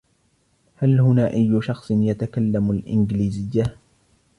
هل هنا اي شخص يتكلم الانجليزية؟